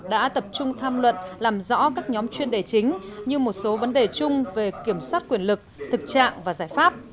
đã tập trung tham luận làm rõ các nhóm chuyên đề chính như một số vấn đề chung về kiểm soát quyền lực thực trạng và giải pháp